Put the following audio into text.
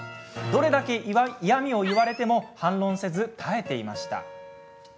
どれだけ嫌みを言われても反論せず耐えていました。